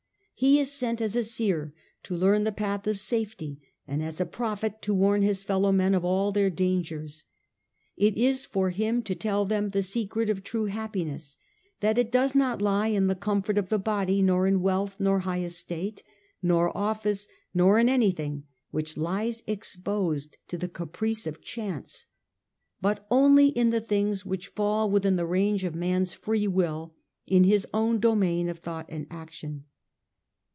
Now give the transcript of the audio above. He is sent as a seer to learn the path of safety, and as a prophet to warn his fellow men of all their dangers. It is for him to tell them the secret of true happiness, that it does not lie in the comfort of the body, nor in wealth, nor high estate, nor office, nor in anything which lies exposed to the caprice of chance, but only in the things which fall within the range of man's freewill, in his own domain of thought and action.